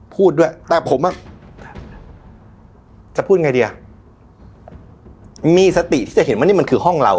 พูดด้วยแต่ผมอ่ะจะพูดไงดีอ่ะมีสติที่จะเห็นว่านี่มันคือห้องเรา